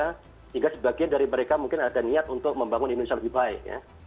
sehingga sebagian dari mereka mungkin ada niat untuk membangun indonesia lebih baik ya